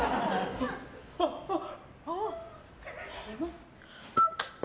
あっあっ。